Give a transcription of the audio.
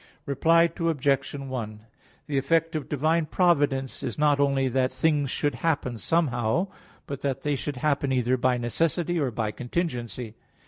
Reply Obj. 1: The effect of divine providence is not only that things should happen somehow; but that they should happen either by necessity or by contingency.